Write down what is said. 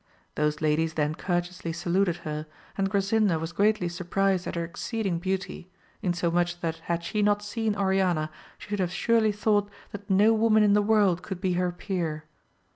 Those ladies then courteously saluted her, and Gra sinda was greatly surprized at her exceeding beauty, insomuch that had she not seen Oriana she should have surely thought that no woman in the world could be her peer.